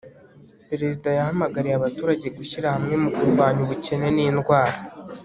perezida yahamagariye abaturage gushyira hamwe mu kurwanya ubukene n'indwara